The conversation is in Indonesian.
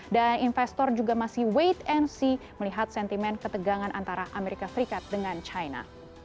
dan investor juga masih wait and see melihat sentimen ketegangan antara amerika serikat dengan china